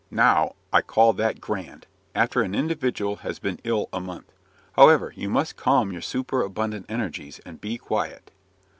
now I call that grand, after an individual has been ill a month. However, you must calm your superabundant energies, and be quiet."